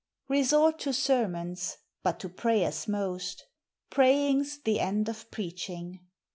Resort to sermons, but to prayers most: Praying's the end of preaching.